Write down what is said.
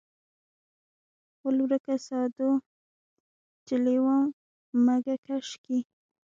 ول ورکه ساډو چې لېوه مږه کش کي.